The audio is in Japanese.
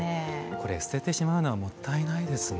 これ捨ててしまうのがもったいないですね。